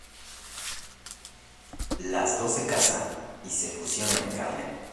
Las dos se casan y se fusionan en Garnet.